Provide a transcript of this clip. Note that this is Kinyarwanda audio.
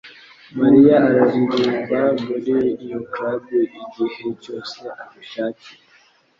Mariya aririmba muri iyo club igihe cyose abishakiye